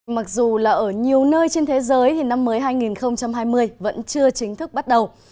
mặc dù là ở nhiều nơi trên thế giới thì năm mới hai nghìn hai mươi vẫn chưa chính thức bắt đầu